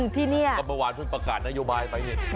ที่นี่กรรมวาลเพิ่มประกาศนโยบายไป